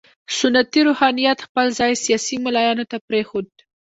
سنتي روحانیت خپل ځای سیاسي ملایانو ته پرېښود.